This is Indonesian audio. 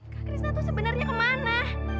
kak krisna tuh sebenarnya kemana